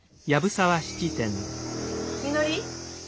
みのり。